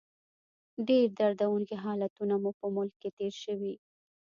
ډېر دردونکي حالتونه مو په ملک کې تېر شوي.